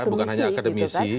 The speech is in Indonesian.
bukan hanya akademisi